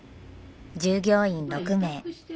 従業員６名。